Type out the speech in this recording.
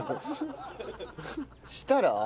そしたら？